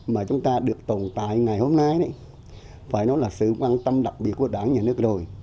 mà chúng ta được tồn tại ngày hôm nay phải nói là sự quan tâm đặc biệt của đảng nhà nước rồi